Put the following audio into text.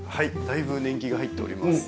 だいぶ年季が入っております。